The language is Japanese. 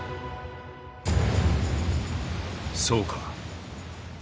そうか。